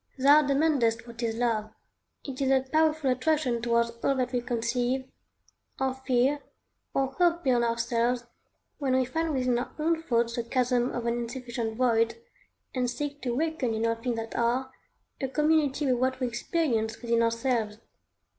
Thou demandest what is love? It is that powerful attraction towards all that we conceive, or fear, or hope beyond ourselves, when we find within our own thoughts the chasm of an insufficient void, and seek to awaken in all things that are, a community with what we experience within ourselves.